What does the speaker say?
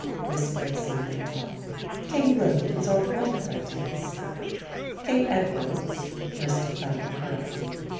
Miss Bracy went on "King William's, or whatever it is." "King Edward's," Mr. Frank corrected.